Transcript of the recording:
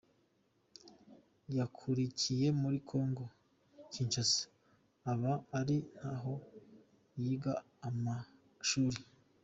Yakuriye muri Congo Kinshasa aba ari na ho yiga amashuri.